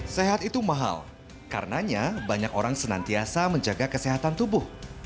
sehat itu mahal karenanya banyak orang senantiasa menjaga kesehatan tubuh